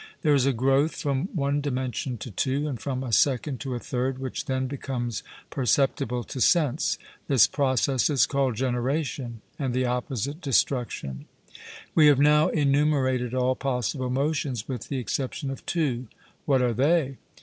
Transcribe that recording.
There is a growth from one dimension to two, and from a second to a third, which then becomes perceptible to sense; this process is called generation, and the opposite, destruction. We have now enumerated all possible motions with the exception of two. 'What are they?'